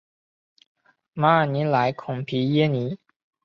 马尔尼莱孔皮耶尼。